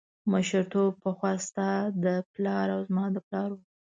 مشرتوب پخوا ستا د پلار او زما د پلار و.